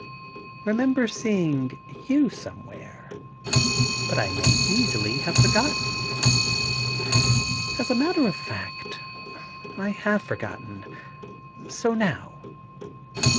' Remember having seen you somewhere ? But I may easily have forgotten. As a matter of feet I have forgotten — so now.'